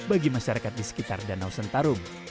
bagi masyarakat di sekitar danau sentarum